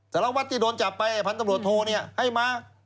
สารวัตน์ที่โดนจับไปไอ้ผันตำรวจโทนี้ให้มา